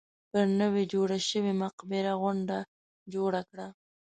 پر نوې جوړه شوې مقبره غونډه جوړه کړه.